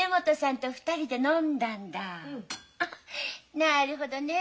なるほどね。